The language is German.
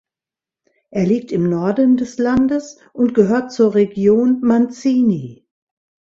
Er liegt im Norden des Landes und gehört zur Region Manzini.